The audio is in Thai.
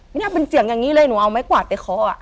ไม่น่าเป็นเจียงอย่างนี้เลยหนูเอาไม่กว่าแต่เขาอะ